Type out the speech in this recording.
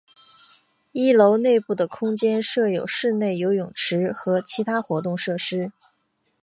一楼内部的空间设有室内游泳池和其他活动设施。